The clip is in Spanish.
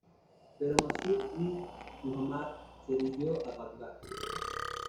Pero Masud ibn Muhammad se dirigió a Bagdad.